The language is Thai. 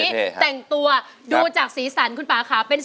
ด้านล่างเขาก็มีความรักให้กันนั่งหน้าตาชื่นบานมากเลยนะคะ